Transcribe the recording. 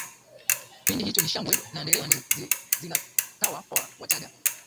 kipindi hicho ni shangwe na nderemo zinatawa kwa wachaga